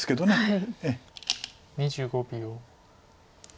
２５秒。